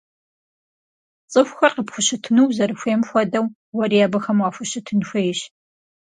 Цӏыхухэр къыпхущытыну узэрыхуейм хуэдэу, уэри абыхэм уахущытын хуейщ.